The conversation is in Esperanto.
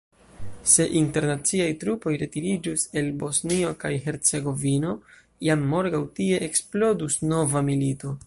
Se internaciaj trupoj retiriĝus el Bosnio kaj Hercegovino, jam morgaŭ tie eksplodus nova milito.